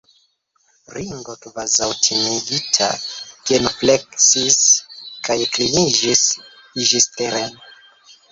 Ringo, kvazaŭ timigita, genufleksis kaj kliniĝis ĝisteren.